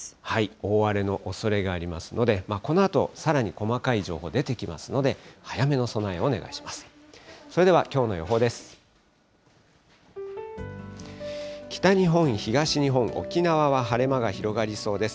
大荒れのおそれがありますので、このあと、さらに細かい情報出てきますので、早めの備えをお願いします。